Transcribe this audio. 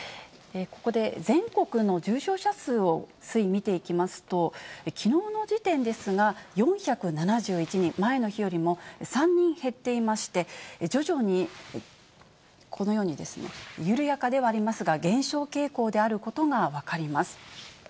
ここで、全国の重症者数の推移見ていきますと、きのうの時点ですが、４７１人、前の日よりも３人減っていまして、徐々にこのようにですね、緩やかではありますが、減少傾向であることが分かります。